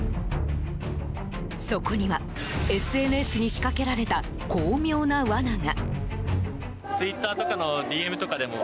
そこには、ＳＮＳに仕掛けられた巧妙な罠が。